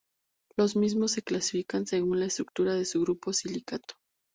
Los mismos se clasifican según la estructura de su grupo silicato.